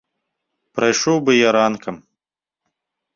Прайшоў бы я ранкам.